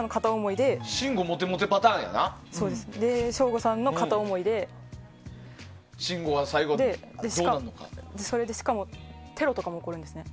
で、省吾さんの片思いでそれで、しかもテロとかも起こるんですね。